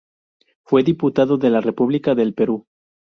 Fue Diputado de la República del Perú.